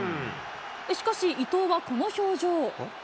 しかし、伊東はこの表情。